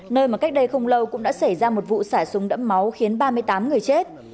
nơi mà cách đây không lâu cũng đã xảy ra một vụ xả súng đẫm máu khiến ba mươi tám người chết